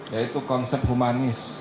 yaitu konsep humanis